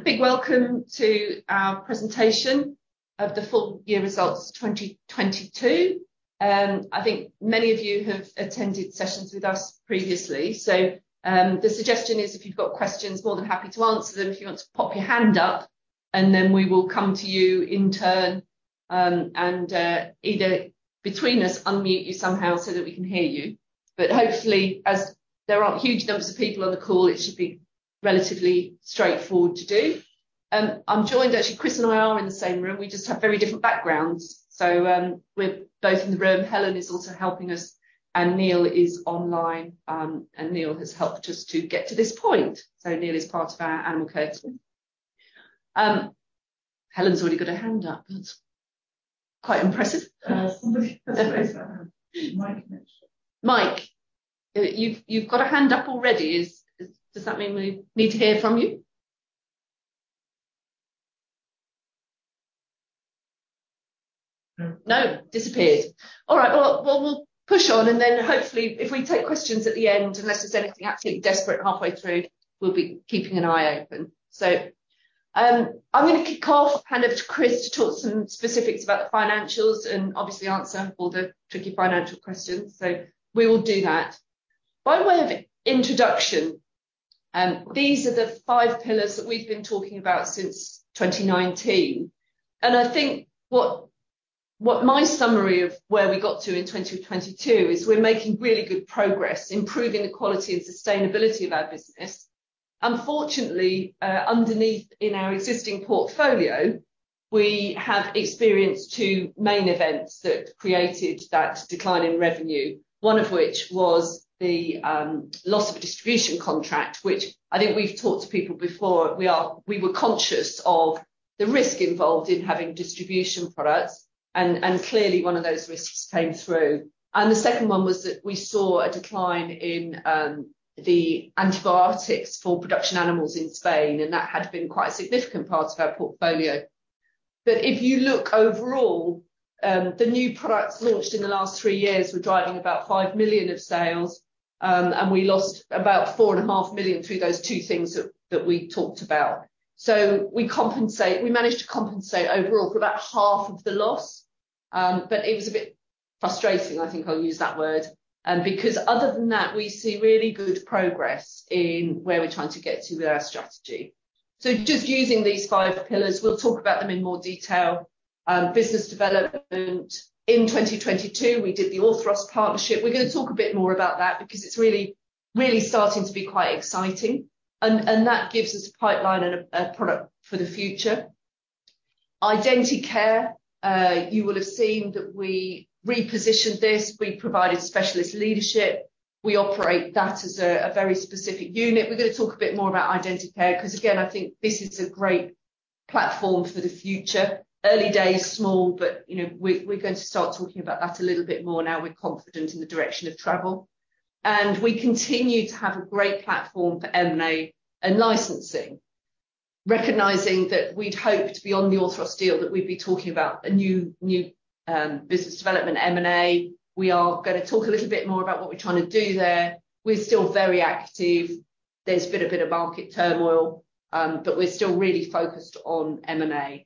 First of all, a big welcome to our presentation of the full-year results 2022. I think many of you have attended sessions with us previously. The suggestion is if you've got questions, more than happy to answer them. If you want to pop your hand up, and then we will come to you in turn, and between us, unmute you somehow so that we can hear you. Hopefully, as there aren't huge numbers of people on the call, it should be relatively straightforward to do. I'm joined, actually, Chris and I are in the same room. We just have very different backgrounds. We're both in the room. Helen is also helping us, and Neil is online. And Neil has helped us to get to this point, so Neil is part of our annual curtain. Helen's already got her hand up. That's quite impressive. Somebody has raised their hand. Mike mentioned. Mike, you've got a hand up already. Does that mean we need to hear from you? No. No. Disappeared. All right. Well, we'll push on, and then hopefully, if we take questions at the end, unless there's anything absolutely desperate halfway through, we'll be keeping an eye open. I'm going to kick off, hand over to Chris to talk some specifics about the financials and obviously answer all the tricky financial questions. We will do that. By way of introduction, these are the five pillars that we've been talking about since 2019. I think what my summary of where we got to in 2022 is we're making really good progress improving the quality and sustainability of our business. Unfortunately, underneath in our existing portfolio, we have experienced two main events that created that decline in revenue. One of which was the loss of a distribution contract, which I think we've talked to people before. We were conscious of the risk involved in having distribution products, clearly one of those risks came through. The second one was that we saw a decline in the antibiotics for production animals in Spain, and that had been quite a significant part of our portfolio. If you look overall, the new products launched in the last three years were driving about 5 million of sales, and we lost about 4.5 million through those two things that we talked about. We managed to compensate overall for about half of the loss. It was a bit frustrating; I think I'll use that word. Other than that, we see really good progress in where we're trying to get to with our strategy. Just using these five pillars, we'll talk about them in more detail. Business development in 2022, we did the Orthros partnership. We're going to talk a bit more about that because it's really starting to be quite exciting and that gives us a pipeline and a product for the future. Identicare, you will have seen that we repositioned this. We provided specialist leadership. We operate that as a very specific unit. We're going to talk a bit more about Identicare because again, I think this is a great platform for the future. Early days, small, but, you know, we're going to start talking about that a little bit more now we're confident in the direction of travel. We continue to have a great platform for M&A and licensing. Recognizing that we'd hoped beyond the Orthros deal that we'd be talking about a new business development M&A. We are going to talk a little bit more about what we're trying to do there. We're still very active. There's been a bit of market turmoil, we're still really focused on M&A.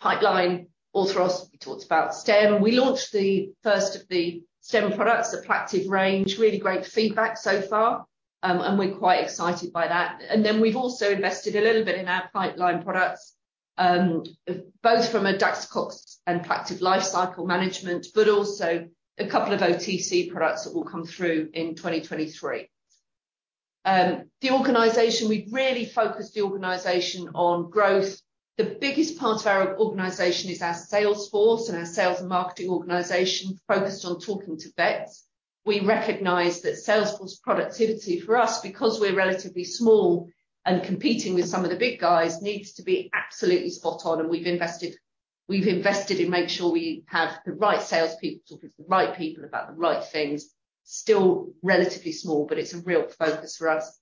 Pipeline, Orthros, we talked about Stem. We launched the first of the Stem products, the Plaqtiv+ range. Really great feedback so far, we're quite excited by that. We've also invested a little bit in our pipeline products, both from a Daxocox and Plaqtiv+ lifecycle management, also a couple of OTC products that will come through in 2023. The organization, we've really focused the organization on growth. The biggest part of our organization is our sales force and our sales and marketing organization focused on talking to vets. We recognize that sales force productivity for us, because we're relatively small and competing with some of the big guys, needs to be absolutely spot on, and we've invested in making sure we have the right sales people talking to the right people about the right things. Still relatively small. It's a real focus for us.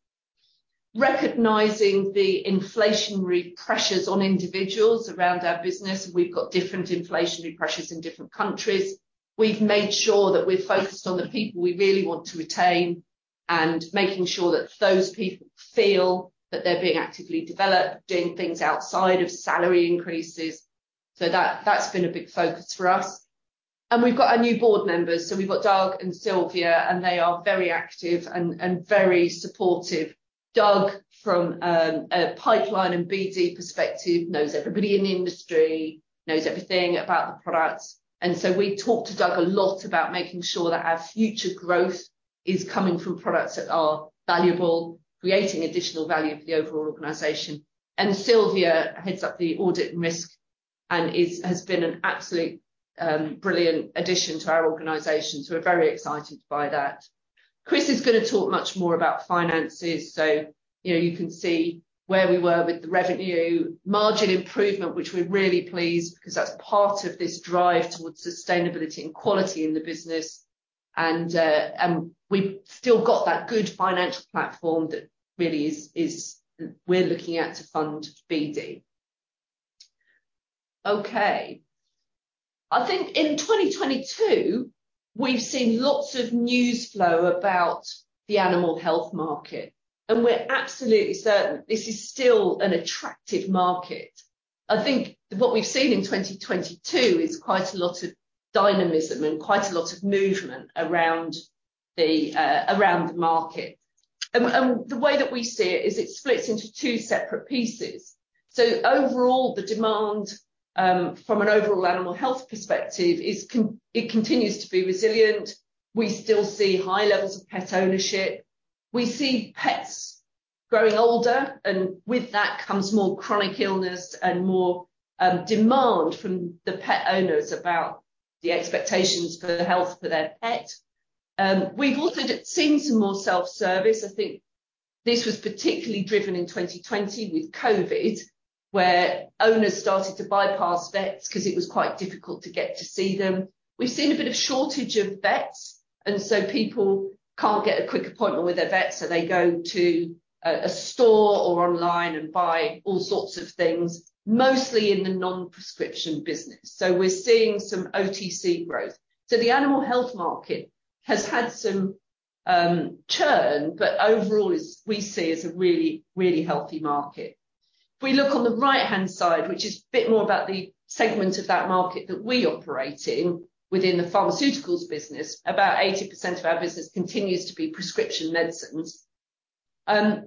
Recognizing the inflationary pressures on individuals around our business, we've got different inflationary pressures in different countries. We've made sure that we're focused on the people we really want to retain and making sure that those people feel that they're being actively developed, doing things outside of salary increases. That's been a big focus for us. We've got our new board members. We've got Doug and Sylvia, and they are very active and very supportive. Doug, from a pipeline and BD perspective, knows everybody in the industry, knows everything about the products. We talk to Doug a lot about making sure that our future growth is coming from products that are valuable, creating additional value for the overall organization. Sylvia heads up the audit risk and has been an absolute brilliant addition to our organization, so we're very excited by that. Chris is going to talk much more about finances. You know, you can see where we were with the revenue margin improvement, which we're really pleased because that's part of this drive towards sustainability and quality in the business. We've still got that good financial platform that really is we're looking at to fund BD. Okay. I think in 2022, we've seen lots of news flow about the animal health market, and we're absolutely certain this is still an attractive market. I think what we've seen in 2022 is quite a lot of dynamism and quite a lot of movement around the around the market. The way that we see it is it splits into two separate pieces. Overall, the demand from an overall animal health perspective it continues to be resilient. We still see high levels of pet ownership. We see pets growing older, and with that comes more chronic illness and more demand from the pet owners about the expectations for the health for their pet. We've also seen some more self-service. I think this was particularly driven in 2020 with COVID, where owners started to bypass vets because it was quite difficult to get to see them. We've seen a bit of shortage of vets, people can't get a quick appointment with their vet, they go to a store or online and buy all sorts of things, mostly in the non-prescription business. We're seeing some OTC growth. The animal health market has had some churn, overall is, we see as a really, really healthy market. If we look on the right-hand side, which is a bit more about the segment of that market that we operate in within the pharmaceuticals business, about 80% of our business continues to be prescription medicines.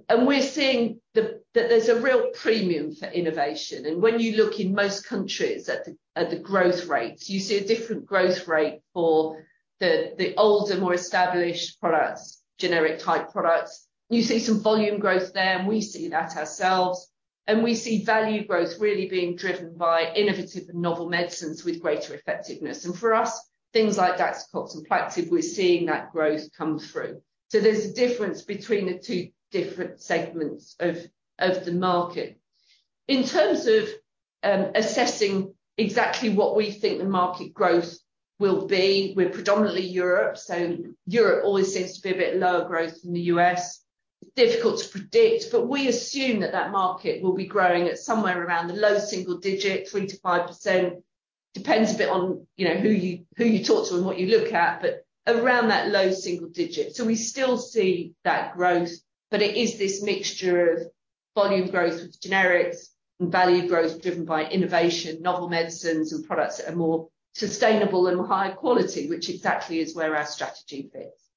We're seeing that there's a real premium for innovation. When you look in most countries at the, at the growth rates, you see a different growth rate for the older, more established products, generic-type products. You see some volume growth there, we see that ourselves. We see value growth really being driven by innovative and novel medicines with greater effectiveness. For us, things like Daxocox and Plaqtiv+, we're seeing that growth come through. There's a difference between the two different segments of the market. In terms of assessing exactly what we think the market growth will be, we're predominantly Europe, so Europe always seems to be a bit lower growth than the U.S. Difficult to predict, but we assume that that market will be growing at somewhere around the low single-digit, 3%-5%. Depends a bit on, you know, who you talk to and what you look at, but around that low single-digit. We still see that growth, but it is this mixture of volume growth with generics and value growth driven by innovation, novel medicines and products that are more sustainable and high quality, which exactly is where our strategy fits.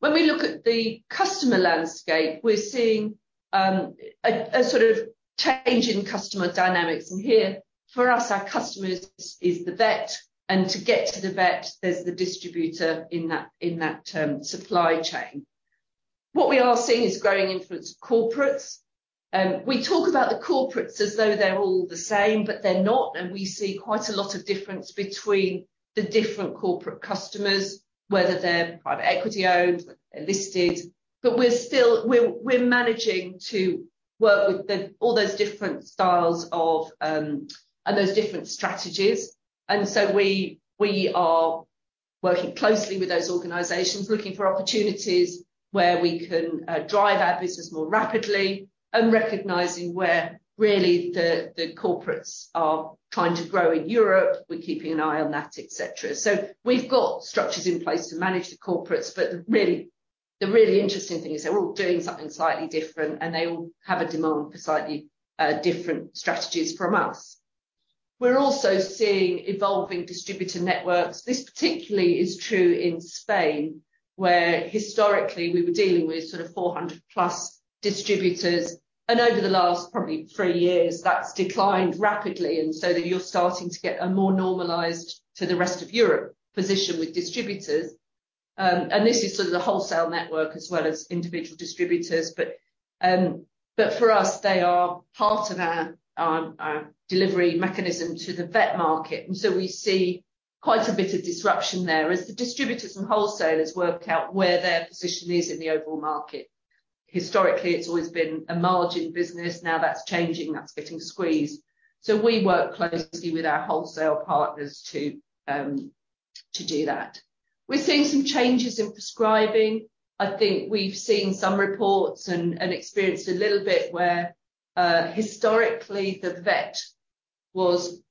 When we look at the customer landscape, we're seeing a sort of change in customer dynamics. Here, for us, our customers are the vet, and to get to the vet, there's the distributor in that supply chain. What we are seeing is growing influence of corporates. We talk about the corporates as though they're all the same, but they're not. We see quite a lot of difference between the different corporate customers, whether they're private equity-owned, they're listed. We're still, we're managing to work with the all those different styles of and those different strategies. We are working closely with those organizations, looking for opportunities where we can drive our business more rapidly and recognizing where really the corporates are trying to grow in Europe. We're keeping an eye on that, et cetera. We've got structures in place to manage the corporates, but the really interesting thing is they're all doing something slightly different, and they all have a demand for slightly different strategies from us. We're also seeing evolving distributor networks. This particularly is true in Spain, where historically we were dealing with sort of 400+ distributors, and over the last probably three years, that's declined rapidly, and so that you're starting to get a more normalized to the rest of Europe position with distributors. This is sort of the wholesale network as well as individual distributors. But for us, they are part of our delivery mechanism to the vet market, and so we see quite a bit of disruption there as the distributors and wholesalers work out where their position is in the overall market. Historically, it's always been a margin business. Now that's changing. That's getting squeezed. We work closely with our wholesale partners to do that. We're seeing some changes in prescribing. I think we've seen some reports and experienced a little bit where, historically the vet was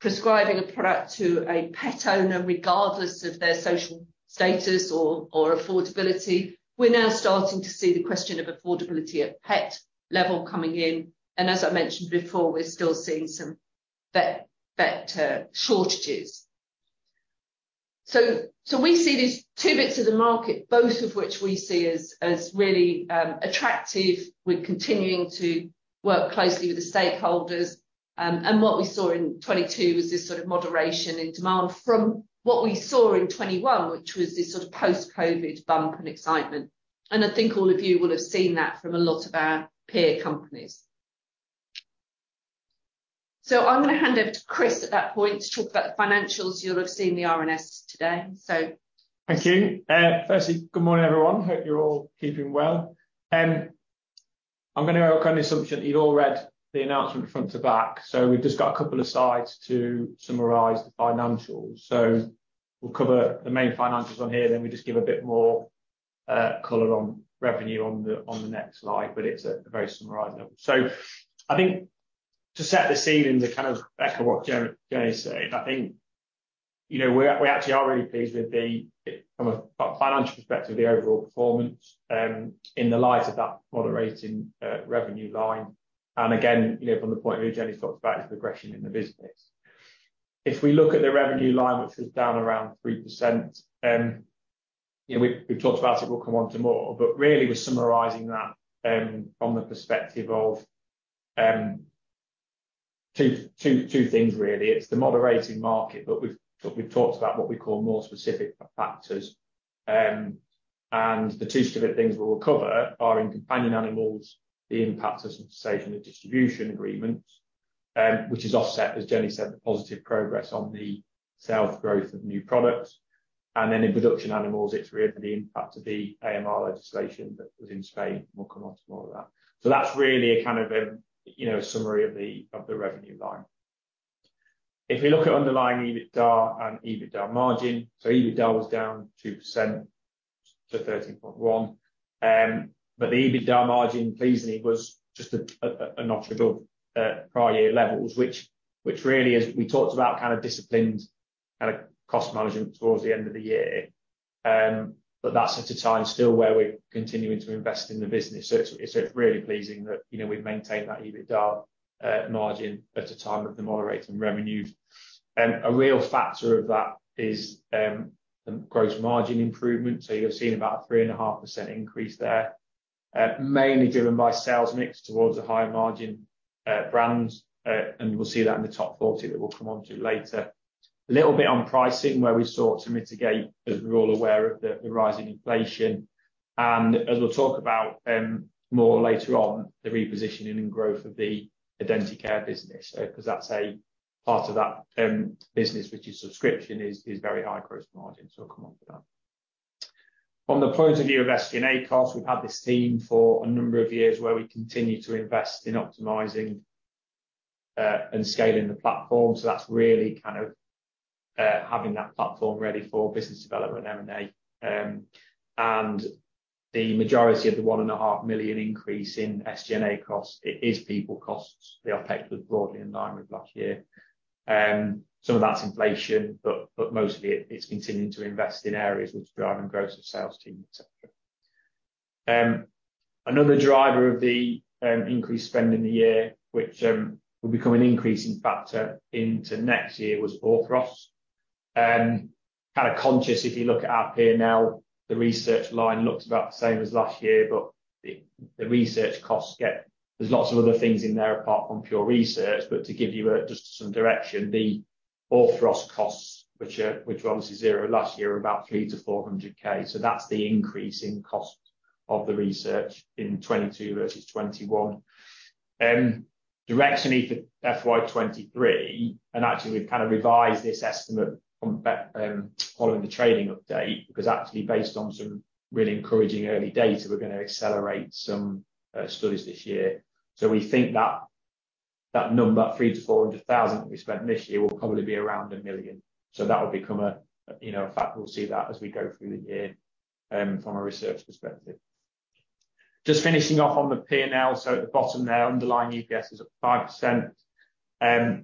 prescribing a product to a pet owner regardless of their social status or affordability. We're now starting to see the question of affordability at pet level coming in, and as I mentioned before, we're still seeing some vet shortages. We see these two bits of the market, both of which we see as really attractive. We're continuing to work closely with the stakeholders. What we saw in 2022 was this sort of moderation in demand from what we saw in 2021, which was this sort of post-COVID bump and excitement. I think all of you will have seen that from a lot of our peer companies. I'm going to hand over to Chris at that point to talk about the financials. You'll have seen the RNS today. Thank you. Firstly, good morning, everyone. Hope you're all keeping well. I'm gonna work on the assumption that you've all read the announcement front to back. We've just got two slides to summarize the financials. We'll cover the main financials on here, then we just give a bit more Color on revenue on the next slide, but it's a very summarized number. I think to set the scene and to kind of echo what Jenny said, I think, you know, we actually are really pleased with the, from a financial perspective, the overall performance in the light of that moderating revenue line. Again, you know, from the point of view Jenny talked about is progression in the business. If we look at the revenue line, which is down around 3%, you know, we've talked about it, we'll come onto more, but really we're summarizing that from the perspective of two things really. It's the moderating market, but we've talked about what we call more specific factors. The two specific things we will cover are in companion animals, the impact of cessation of distribution agreements, which is offset, as Jenny said, the positive progress on the sales growth of new products. In production animals, it's really the impact of the AMR legislation that was in Spain. We'll come on to more of that. That's really a kind of, you know, summary of the, of the revenue line. If we look at underlying EBITDA and EBITDA margin. EBITDA was down 2% to 13.1. The EBITDA margin pleasingly was just a notch above prior year levels, which really is, we talked about kind of disciplined kind of cost management towards the end of the year. That's at a time still where we're continuing to invest in the business. It's really pleasing that, you know, we've maintained that EBITDA margin at a time of the moderating revenues. A real factor of that is the gross margin improvement. You're seeing about 3.5% increase there, mainly driven by sales mix towards the higher margin brands. We'll see that in the Top 40 that we'll come onto later. A little bit on pricing, where we sought to mitigate, as we're all aware of the rising inflation. As we'll talk about more later on, the repositioning and growth of the Identicare business, 'cause that's a part of that business, which is subscription is very high gross margin. We'll come onto that. From the point of view of SG&A costs, we've had this team for a number of years where we continue to invest in optimizing and scaling the platform. That's really kind of having that platform ready for business development M&A. The majority of the 1.5 million increase in SG&A costs, it is people costs. They are pegged with broadly in line with last year. Some of that's inflation, but mostly it's continuing to invest in areas which are driving growth of sales team, et cetera. Another driver of the increased spend in the year, which will become an increasing factor into next year, was Orthros. Kind of conscious, if you look at our P&L, the research line looks about the same as last year, but the research costs get. There's lots of other things in there apart from pure research. To give you just some direction, the Orthros costs, which were obviously zero last year, are about 300,000-400,000. That's the increase in cost of the research in 2022 versus 2021. Directionally for FY 2023, and actually we've kind of revised this estimate following the trading update, because actually based on some really encouraging early data, we're going to accelerate some studies this year. We think that number, 300,000-400,000 We spent this year, will probably be around 1 million. That will become a, you know, a factor. We'll see that as we go through the year from a research perspective. Just finishing off on the P&L. At the bottom there, underlying EPS is up 5%.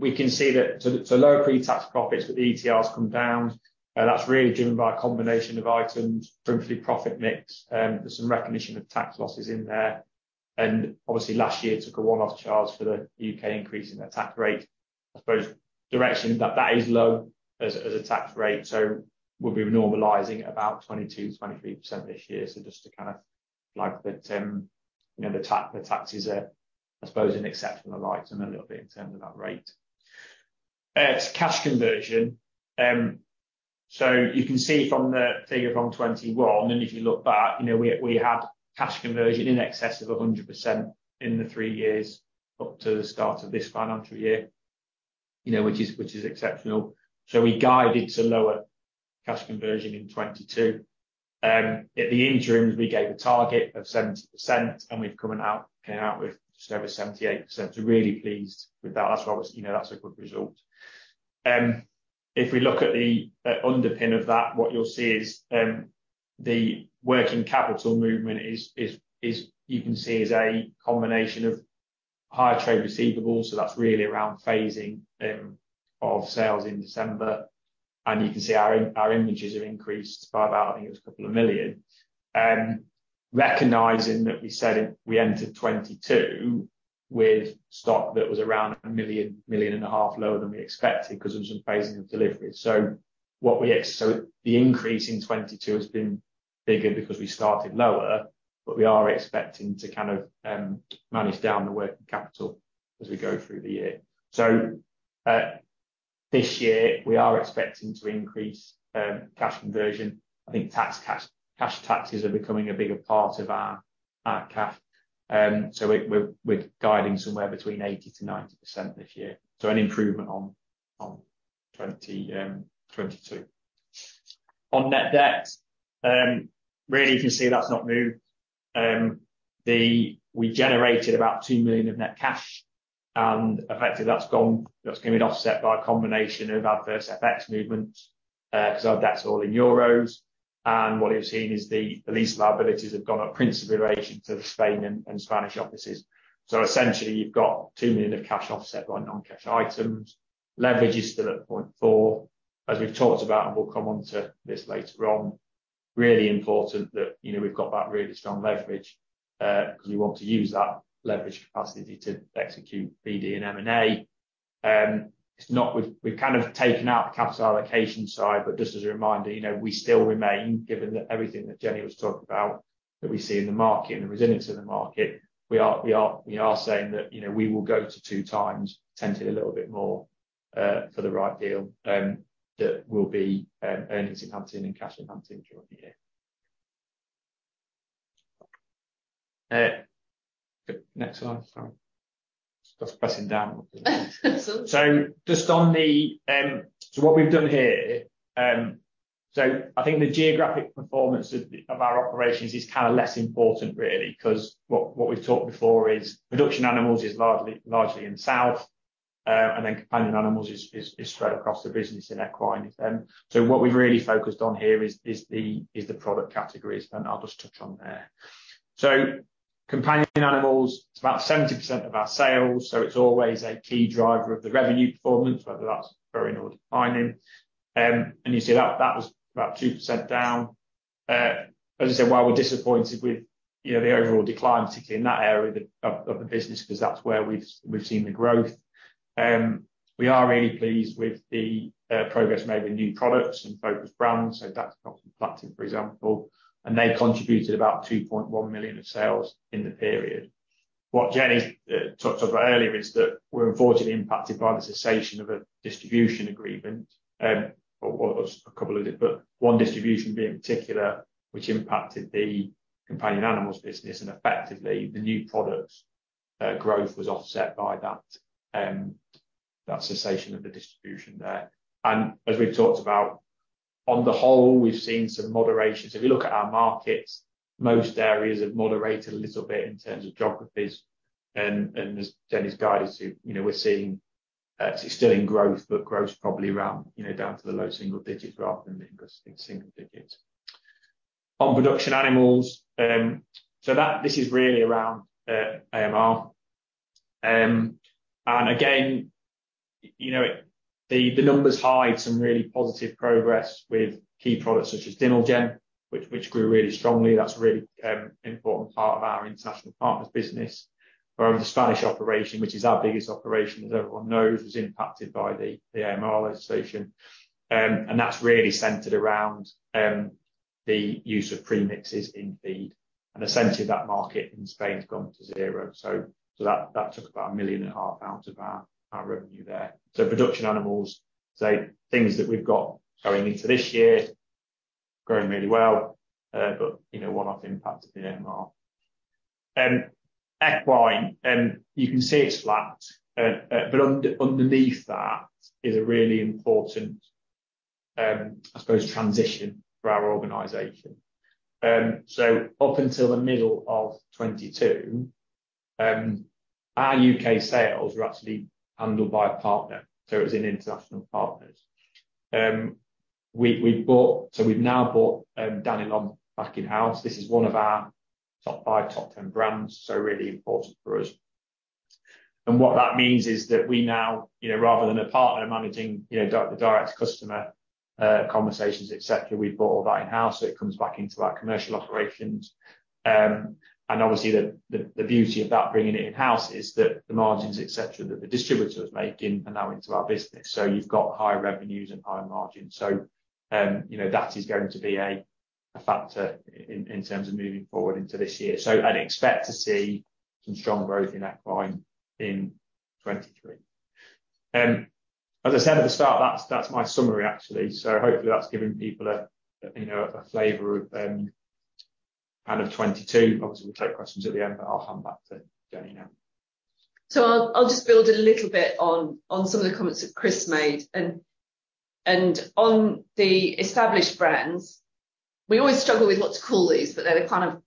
We can see that so lower pre-tax profits with the ETRs come down. That's really driven by a combination of items, principally profit mix. There's some recognition of tax losses in there. Obviously last year took a one-off charge for the U.K. increase in the tax rate. I suppose direction that that is low as a tax rate, so we'll be normalizing about 22%-23% this year. Just to kind of flag that, you know, the taxes are, I suppose, an exceptional item a little bit in terms of that rate. Cash conversion. You can see from the figure from 2021, and if you look back, you know, we had cash conversion in excess of 100% in the three years up to the start of this financial year. You know, which is exceptional. We guided to lower cash conversion in 2022. At the interims, we gave a target of 70%, and we've come out with just over 78%. Really pleased with that. That's what was. You know, that's a good result. If we look at the underpin of that, what you'll see is the working capital movement is you can see is a combination of higher trade receivables. That's really around phasing of sales in December. You can see our images have increased by about, I think it was 2 million. Recognizing that we said it, we entered 2022 with stock that was around 1.5 million lower than we expected because of some phasing of deliveries. The increase in 2022 has been bigger because we started lower, but we are expecting to kind of manage down the working capital as we go through the year. This year we are expecting to increase cash conversion. I think cash taxes are becoming a bigger part of our cash. We're guiding somewhere between 80%-90% this year. An improvement on 2022. On net debt, really you can see that's not moved. We generated about 2 million of net cash, effectively that's gone. That's gonna be offset by a combination of adverse FX movements, 'cause our debt's all in euros. What you're seeing is the lease liabilities have gone up principally in relation to the Spain and Spanish offices. Essentially, you've got 2 million of cash offset by non-cash items. Leverage is still at 0.4, as we've talked about. We'll come onto this later on. Really important that, you know, we've got that really strong leverage, because we want to use that leverage capacity to execute BD and M&A. It's not we've kind of taken out the capital allocation side, but just as a reminder, you know, we still remain, given that everything that Jenny was talking about, that we see in the market and the resilience of the market, we are saying that, you know, we will go to 2 times, tending a little bit more, for the right deal, that will be earnings enhancing and cash enhancing during the year. Next slide. Sorry. Just pressing down. It's all good. What we've done here, I think the geographic performance of our operations is kind of less important really because what we've talked before is production animals is largely in South. Companion animals is spread across the business in equine. What we've really focused on here is the product categories, and I'll just touch on there. Companion animals, it's about 70% of our sales, so it's always a key driver of the revenue performance, whether that's growing or declining. You see that was about 2% down. As I said, while we're disappointed with, you know, the overall decline, particularly in that area of the business because that's where we've seen the growth, we are really pleased with the progress made with new products and focused brands, so that's Oxyglobin, for example. They contributed about 2.1 million of sales in the period. What Jenny talked about earlier is that we're unfortunately impacted by the cessation of a distribution agreement. Well, it was a couple of it, but one distribution being particular, which impacted the companion animals business and effectively the new products growth was offset by that cessation of the distribution there. As we've talked about, on the whole, we've seen some moderation. If you look at our markets, most areas have moderated a little bit in terms of geographies. As Jenny's guided to, you know, we're seeing it's still in growth, but growth probably around down to the low single-digit rather than in single-digit. On production animals, this is really around AMR. The numbers hide some really positive progress with key products such as Denogen, which grew really strongly. That's a really important part of our international partners business. Whereas the Spanish operation, which is our biggest operation, as everyone knows, was impacted by the AMR legislation. That's really centered around the use of premixes in feed. Essentially that market in Spain has gone to zero. That took about 1.5 million out of our revenue there. Production animals, say, things that we've got going into this year, growing really well, but you know, one-off impact of the AMR. Equine, you can see it's flat. But underneath that is a really important, I suppose transition for our organization. Up until the middle of 2022, our U.K. sales were actually handled by a partner. It was in international partners. We've now bought Danilon back in-house. This is one of our Top 5, Top 10 brands, so really important for us. What that means is that we now, you know, rather than a partner managing, you know, the direct customer conversations, et cetera, we've brought all that in-house, so it comes back into our commercial operations. Obviously the, the beauty of that, bringing it in-house is that the margins, et cetera, that the distributor was making are now into our business. You've got higher revenues and higher margins. You know, that is going to be a factor in terms of moving forward into this year. I'd expect to see some strong growth in equine in 2023. As I said at the start, that's my summary actually. Hopefully that's given people a, you know, a flavor of, kind of 2022. Obviously, we'll take questions at the end, but I'll hand back to Jenny now. I'll just build a little bit on some of the comments that Chris made. On the established brands, we always struggle with what to call these, but they're the kind of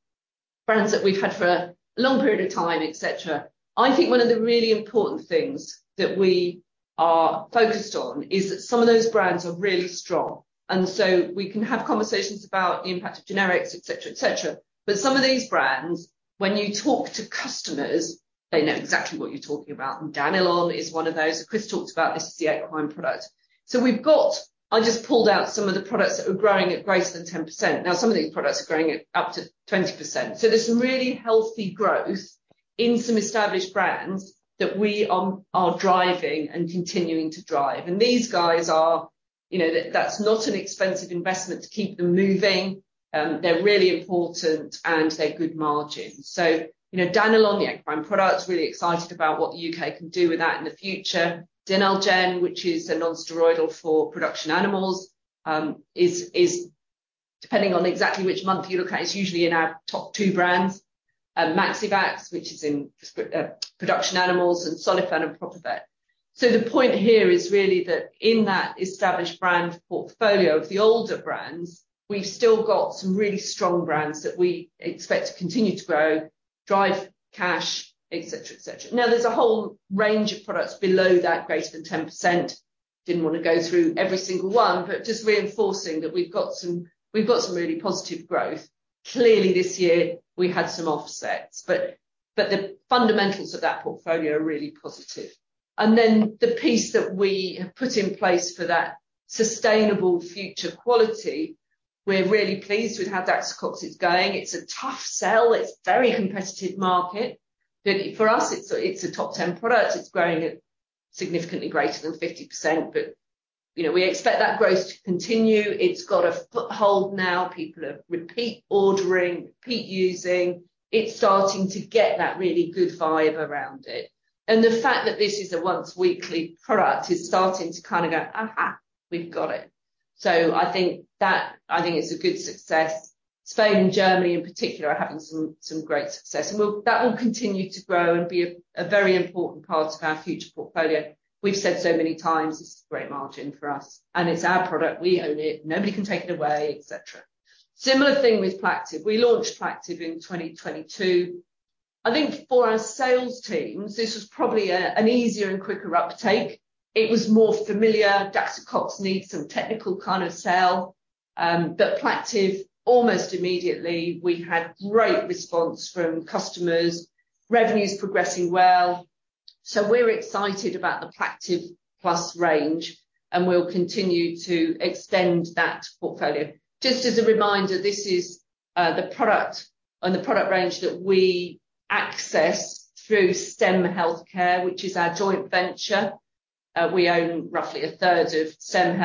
brands that we've had for a long period of time, et cetera. I think one of the really important things that we are focused on is that some of those brands are really strong, and we can have conversations about the impact of generics, et cetera, et cetera. Some of these brands, when you talk to customers, they know exactly what you're talking about, and Danilon is one of those. Chris talked about this is the equine product. I just pulled out some of the products that were growing at greater than 10%. Some of these products are growing at up to 20%. there's some really healthy growth in some established brands that we are driving and continuing to drive. These guys are, you know, that's not an expensive investment to keep them moving. They're really important, and they're good margin. You know, Danilon, the equine product, really excited about what the U.K. can do with that in the future. Denogen, which is a non-steroidal for production animals, is depending on exactly which month you look at, it's usually in our top two brands. Maxivax, which is in production animals and Soliphen and Prophivet. The point here is really that in that established brand portfolio of the older brands, we've still got some really strong brands that we expect to continue to grow, drive cash, et cetera, et cetera. There's a whole range of products below that greater than 10%. Didn't want to go through every single one, but just reinforcing that we've got some, we've got some really positive growth. Clearly this year we had some offsets, but the fundamentals of that portfolio are really positive. The piece that we have put in place for that sustainable future quality, we're really pleased with how Daxocox is going. It's a tough sell, it's very competitive market, but for us, it's a top 10 product. It's growing at significantly greater than 50%. You know, we expect that growth to continue. It's got a foothold now. People are repeat ordering, repeat using. It's starting to get that really good vibe around it. The fact that this is a once weekly product is starting to kinda go, "Aha, we've got it." I think that, I think it's a good success. Spain and Germany in particular are having some great success. That will continue to grow and be a very important part of our future portfolio. We've said so many times, this is a great margin for us, and it's our product, we own it, nobody can take it away, et cetera. Similar thing with Plaqtiv+. We launched Plaqtiv+ in 2022. I think for our sales teams, this was probably an easier and quicker uptake. It was more familiar. Daxocox needs some technical kind of sell. Plaqtiv+, almost immediately, we had great response from customers. Revenue is progressing well, we're excited about the Plaqtiv+ range, and we'll continue to extend that portfolio. Just as a reminder, this is the product and the product range that we access through Stem Animal Health, which is our joint venture. We own roughly a third of Stem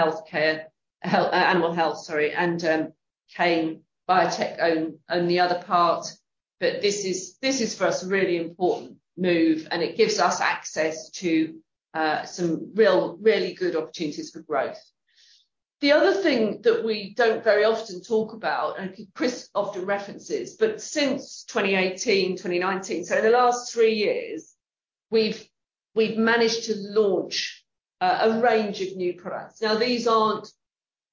Animal Health, sorry, and Kane Biotech own the other part. This is for us, a really important move, and it gives us access to some real, really good opportunities for growth. The other thing that we don't very often talk about, and Chris often references, since 2018, 2019, so in the last three years, we've managed to launch a range of new products. These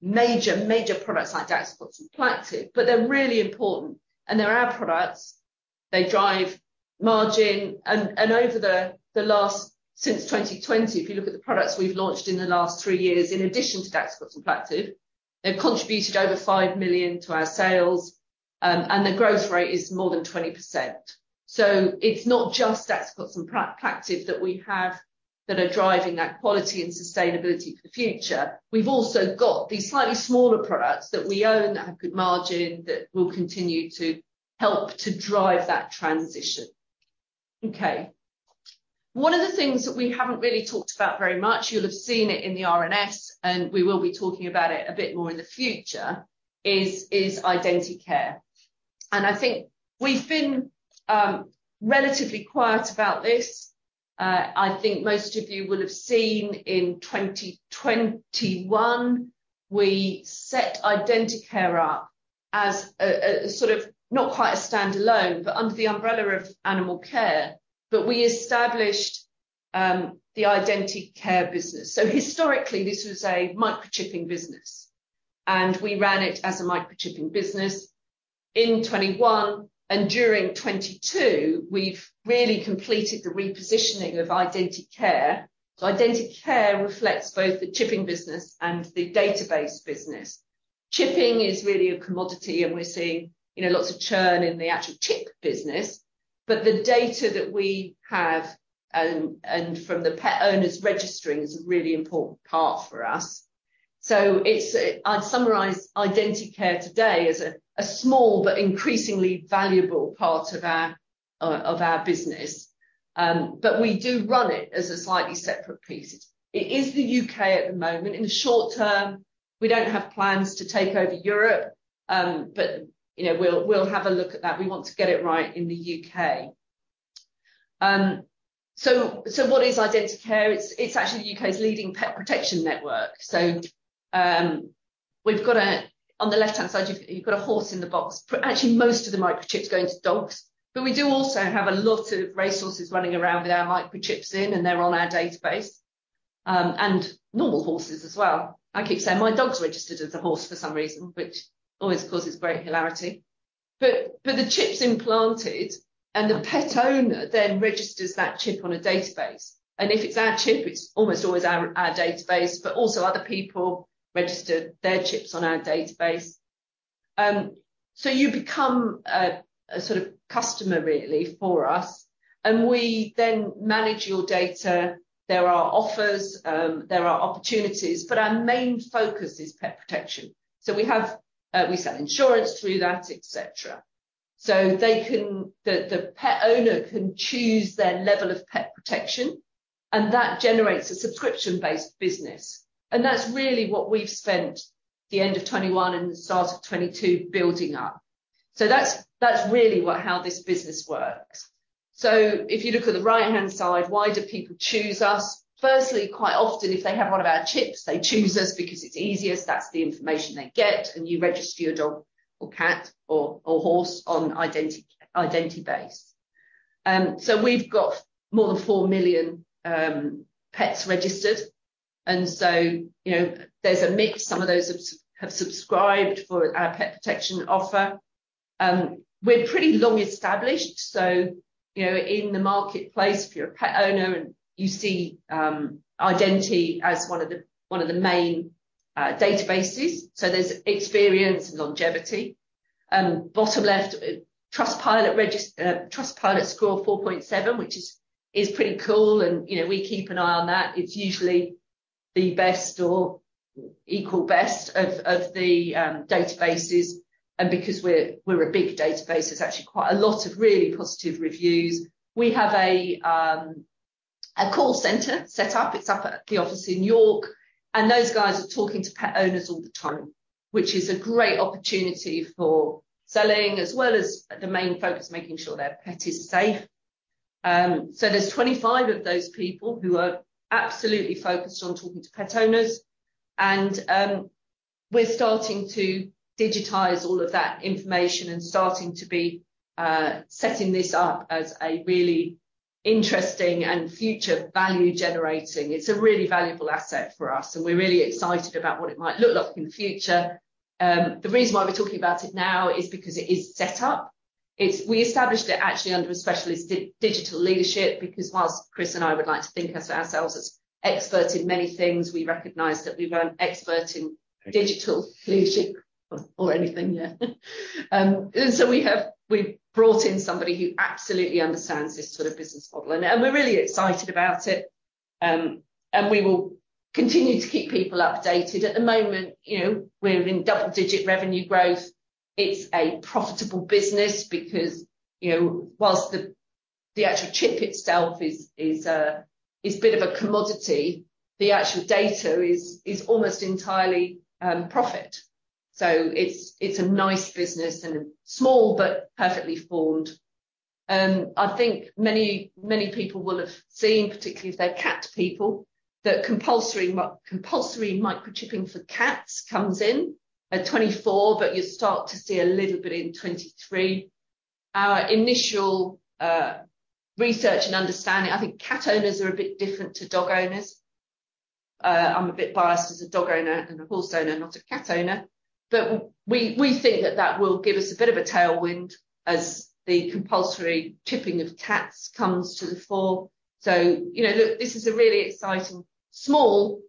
aren't major products like Daxocox and Plaqtiv+, but they're really important, and they're our products. They drive margin. Over the last since 2020, if you look at the products we've launched in the last three years, in addition to Daxocox and Plaqtiv+, they've contributed over 5 million to our sales, and the growth rate is more than 20%. It's not just Daxocox and Plaqtiv+ that we have that are driving that quality and sustainability for the future. We've also got these slightly smaller products that we own that have good margin, that will continue to help to drive that transition. Okay. One of the things that we haven't really talked about very much, you'll have seen it in the RNS, and we will be talking about it a bit more in the future is Identicare. I think we've been relatively quiet about this. I think most of you will have seen in 2021, we set Identicare up as a sort of, not quite a standalone, but under the umbrella of Animalcare. We established the Identicare business. Historically, this was a microchipping business, and we ran it as a microchipping business. In 21 and during 22, we've really completed the repositioning of Identicare. Identicare reflects both the chipping business and the database business. Chipping is really a commodity, and we're seeing, you know, lots of churn in the actual chip business. The data that we have, and from the pet owners registering is a really important part for us. I'd summarize Identicare today as a small but increasingly valuable part of our business. We do run it as a slightly separate piece. It is the U.K. at the moment. In the short term, we don't have plans to take over Europe, you know, we'll have a look at that. We want to get it right in the U.K. What is Identicare? It's actually the U.K.'s leading pet protection network. On the left-hand side, you've got a horse in the box. Actually, most of the microchips go into dogs, but we do also have a lot of racehorses running around with our microchips in, and they're on our database, and normal horses as well. I keep saying my dog's registered as a horse for some reason, which always causes great hilarity. The chip's implanted, the pet owner then registers that chip on a database. If it's our chip, it's almost always our database, but also other people register their chips on our database. You become a sort of customer really for us, and we then manage your data. There are offers, there are opportunities, but our main focus is pet protection. We have, we sell insurance through that, et cetera. The pet owner can choose their level of pet protection, and that generates a subscription-based business. That's really what we've spent the end of 2021 and the start of 2022 building up. That's really how this business works. If you look at the right-hand side, why do people choose us? Firstly, quite often, if they have one of our chips, they choose us because it's easiest. That's the information they get, and you register your dog or cat, or horse on Identibase. We've got more than 4 million pets registered, you know, there's a mix. Some of those have subscribed for our pet protection offer. We're pretty long-established, you know, in the marketplace, if you're a pet owner and you see Identicare as one of the main databases. There're experience and longevity. Bottom left, Trustpilot score of 4.7, which is pretty cool and, you know, we keep an eye on that. It's usually the best or equal best of the databases. Because we're a big database, there's actually quite a lot of really positive reviews. We have a call center set up. It's up at the office in York. Those guys are talking to pet owners all the time, which is a great opportunity for selling, as well as the main focus, making sure their pet is safe. There's 25 of those people who are absolutely focused on talking to pet owners and we're starting to digitize all of that information and starting to be setting this up as a really interesting and future value-generating. It's a really valuable asset for us, and we're really excited about what it might look like in the future. The reason why we're talking about it now is because it is set up. We established it actually under a specialist digital leadership because whilst Chris and I would like to think ourselves as experts in many things, we recognize that we weren't expert in digital leadership or anything. Yeah. We've brought in somebody who absolutely understands this sort of business model, and we're really excited about it. We will continue to keep people updated. At the moment, you know, we're in double-digit revenue growth. It's a profitable business because, you know, whilst the actual chip itself is a bit of a commodity, the actual data is almost entirely profit. It's a nice business and small but perfectly formed. I think many, many people will have seen, particularly if they're cat people, that compulsory microchipping for cats comes in at 2024, but you'll start to see a little bit in 2023. Our initial research and understanding, I think cat owners are a bit different to dog owners. I'm a bit biased as a dog owner and a horse owner, not a cat owner, but we think that that will give us a bit of a tailwind as the compulsory chipping of cats comes to the fore. You know, look, this is a really exciting small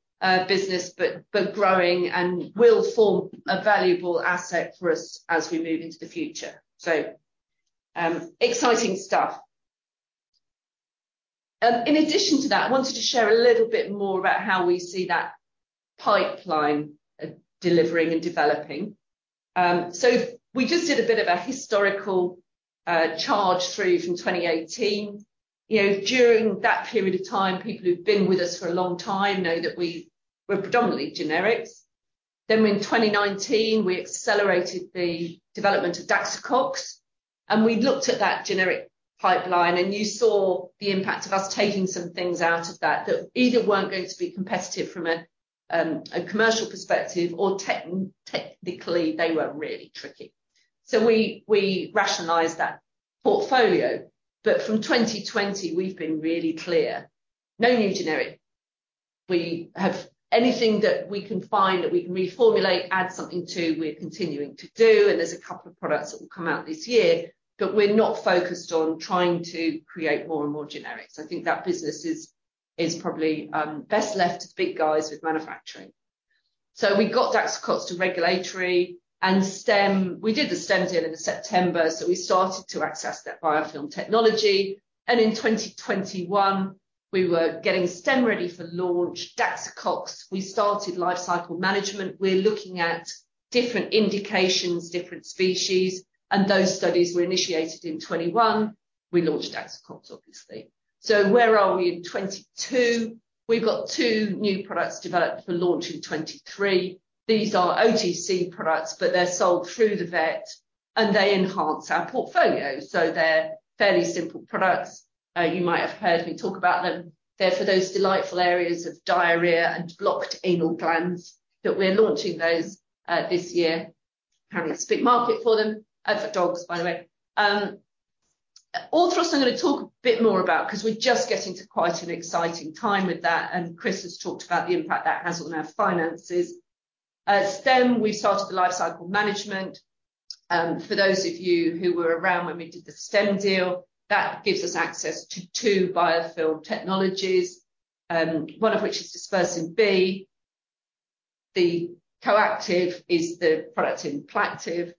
business, but growing and will form a valuable asset for us as we move into the future. Exciting stuff. In addition to that, I wanted to share a little bit more about how we see that pipeline delivering and developing. We just did a bit of a historical charge through from 2018. You know, during that period of time, people who've been with us for a long time know that we were predominantly generics. In 2019, we accelerated the development of Daxocox, and we looked at that generic pipeline, and you saw the impact of us taking some things out of that that either weren't going to be competitive from a commercial perspective or technically they were really tricky. We rationalized that portfolio. From 2020, we've been really clear. No new generic. We have anything that we can find that we can reformulate, add something to, we're continuing to do, and there's a couple of products that will come out this year, but we're not focused on trying to create more and more generics. I think that business is probably best left to the big guys with manufacturing. We got Daxocox to regulatory. We did the Stem deal in September, so we started to access that biofilm technology. In 2021, we were getting Stem ready for launch. Daxocox, we started lifecycle management. We're looking at different indications, different species, and those studies were initiated in 2021. We launched Daxocox, obviously. Where are we in 2022? We've got two new products developed for launch in 2023. These are OTC products, but they're sold through the vet, and they enhance our portfolio, so they're fairly simple products. You might have heard me talk about them. They're for those delightful areas of diarrhea and blocked anal glands. We're launching those this year. Apparently, there's a big market for them. For dogs, by the way. Orthros, I'm going to talk a bit more about because we're just getting to quite an exciting time with that. Chris has talked about the impact that has on our finances. Stem, we started the lifecycle management. For those of you who were around when we did the Stem deal, that gives us access to two biofilm technologies, one of which is Dispersin B. The coactiv+ is the product in Plaqtiv+.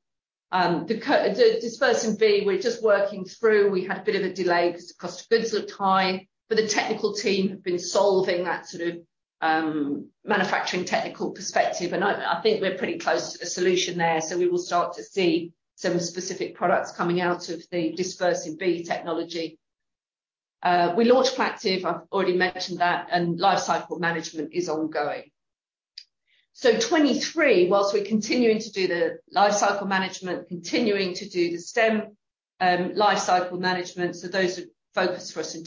The Dispersin B, we're just working through. We had a bit of a delay because it cost a bit of time. The technical team have been solving that sort of manufacturing technical perspective, I think we're pretty close to a solution there. We will start to see some specific products coming out of the Dispersin B technology. We launched Plaqtiv+. I've already mentioned that, and lifecycle management is ongoing. 2023, whilst we're continuing to do the lifecycle management, continuing to do the Stem lifecycle management. Those are focused for us in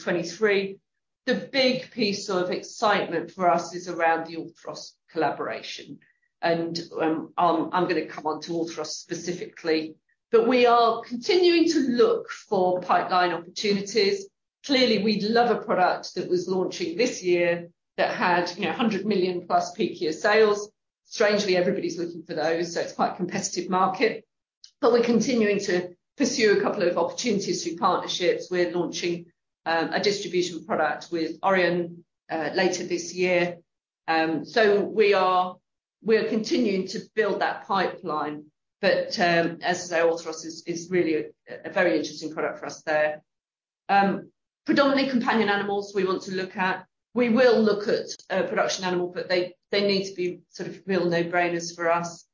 2023. The big piece of excitement for us is around the Orthros collaboration. I'm going to come on to Orthros specifically. We are continuing to look for pipeline opportunities. Clearly, we'd love a product that was launching this year that had, you know, 100 million+ peak year sales. Strangely, everybody's looking for those, so it's quite a competitive market. We're continuing to pursue a couple of opportunities through partnerships. We're launching a distribution product with Orion later this year. We are continuing to build that pipeline. As I say, Orthros is really a very interesting product for us there. Predominantly companion animals we want to look at. We will look at production animal, but they need to be sort of real no-brainers for us.